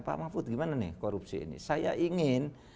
pak mahfud gimana nih korupsi ini saya ingin